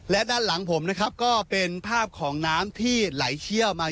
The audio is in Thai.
และด้านหลังผมนะครับก็เป็นภาพของน้ำที่ไหลเชี่ยวมา